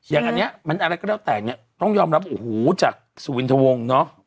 อย่างอันนี้มันอะไรก็แล้วแต่เนี่ยต้องยอมรับโอ้โหจากสุวินทวงเนอะ